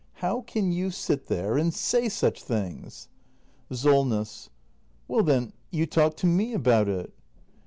] How can you sit there and say such things ? Solness. Well, then, you talk to m e about it.